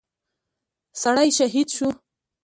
سړى شهيد شو.